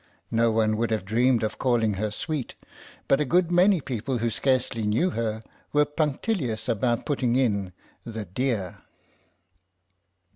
No one would have dreamed of calling her sweet, but a good many people who scarcely knew her were punctilious about putting in the "dear."